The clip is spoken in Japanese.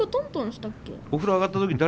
お風呂上がった時に誰？